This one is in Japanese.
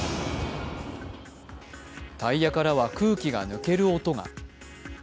タイヤからは空気が抜ける音が。